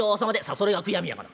「それが悔やみやがな。